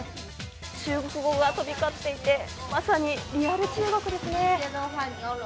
中国語が飛び交っていて、まさにリアル中国ですね。